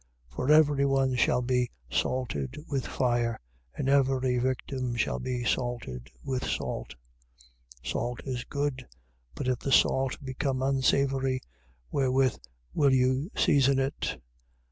9:48. For every one shall be salted with fire: and every victim shall be salted with salt. 9:49. Salt is good. But if the salt become unsavoury, wherewith will you season it?